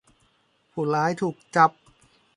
ผู้ร้ายถูกจับ